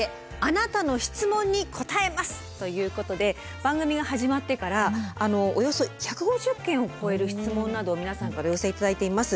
ということで番組が始まってからおよそ１５０件を超える質問などを皆さんからお寄せ頂いています。